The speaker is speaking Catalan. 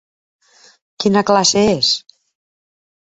Quina classe és?